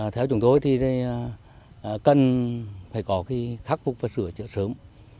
theo chúng tôi thì cần phải có khắc phục và sửa chữa sớm